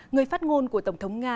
người phát ngôn của tổng thống nga